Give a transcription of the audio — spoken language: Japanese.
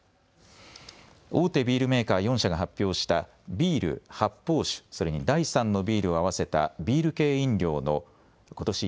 大手ビールメーカー４社が発表したビール、発泡酒、それに第３のビールを合わせたビール系飲料のことし